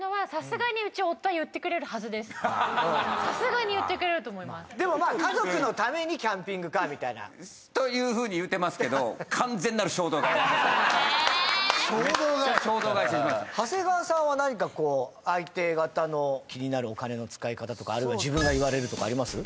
それさすがに言ってくれると思いますでもまあ家族のためにキャンピングカーみたいなというふうに言うてますけどえっ衝動買い長谷川さんは何かこう相手方の気になるお金の使い方とかあるいは自分が言われるとかあります？